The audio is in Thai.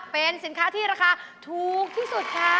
เป็นสินค้าที่ราคาถูกที่สุดค่ะ